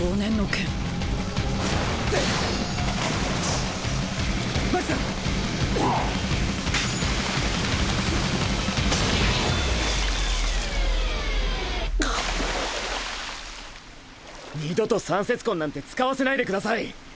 キン！がっ！二度と三節棍なんて使わせないでください！